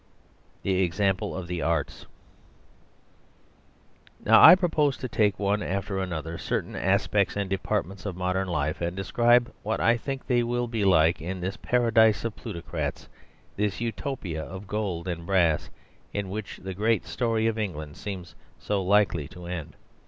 The Example of the Arts Now I propose to take, one after another, certain aspects and departments of modern life, and describe what I think they will be like in this paradise of plutocrats, this Utopia of gold and brass in which the great story of England seems so likely to end.